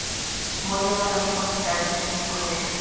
Murió en la Logia Magistral del Trinity College.